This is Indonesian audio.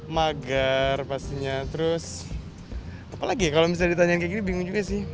magar pastinya terus apalagi kalau misalnya ditanya kayak gini bingung juga sih